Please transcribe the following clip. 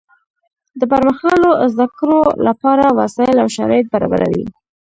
د پرمختللو زده کړو له پاره وسائل او شرایط برابروي.